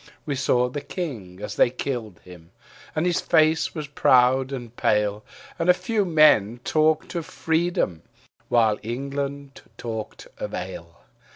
We saw the King as they killed him, and his face was proud and pale; And a few men talked of freedom, while England talked of ale.